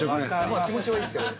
まあ気持ちはいいですけど。